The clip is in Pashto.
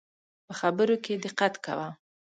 په خبرو کي دقت کوه